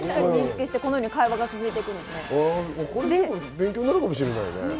勉強になるかもしれないね。